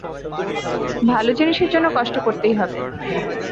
ভালো জিনিসের জন্যে কষ্ট করতেই হবে।